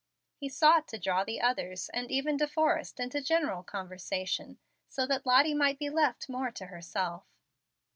He sought to draw the others, and even De Forrest, into general conversation, so that Lottie might be left more to herself.